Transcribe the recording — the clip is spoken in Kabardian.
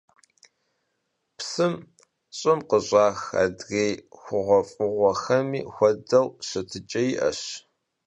Psım, ş'ım khış'ax adrêy xhuğuef'ığuexemi xuedeu, şıtıç'e yi'eş.